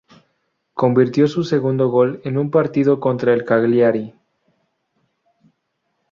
Convirtió su segundo gol en un partido contra el Cagliari.